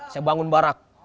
saya bangun barak